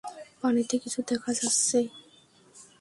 পানিতে কিছু দেখা যাচ্ছে!